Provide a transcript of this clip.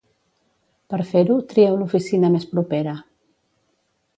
Per fer-ho, trieu l'oficina més propera.